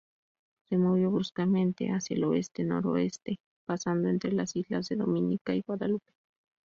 Se movió bruscamente hacia el oeste-noroeste, pasando entra las islas de Dominica y Guadalupe.